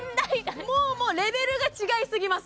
もうもうレベルが違いすぎます